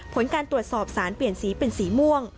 ผลการตรวจสอบสารเปลี่ยนสีเป็นสีม่วง